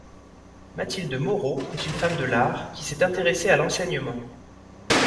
Mathilde Moreau est une femme de l’art qui s’est intéressée à l’enseignement.